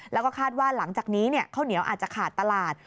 แล้วก็คาดว่าหลังจากนี้ข้าวเหนียวอาจจะขาดตลาด